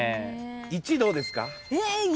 １どうですか？